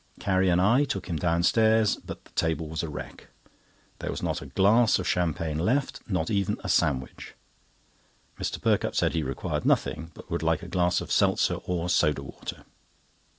Carrie and I took him downstairs, but the table was a wreck. There was not a glass of champagne left—not even a sandwich. Mr. Perkupp said he required nothing, but would like a glass of seltzer or soda water.